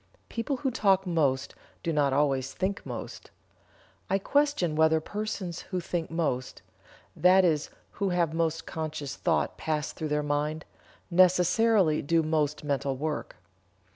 People who talk most do not always think most. I question whether persons who think most that is who have most conscious thought pass through their mind necessarily do most mental work.